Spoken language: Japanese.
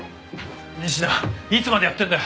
仁科いつまでやってんだよ！